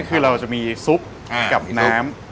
คือเราจะมีซุปกับน้ำ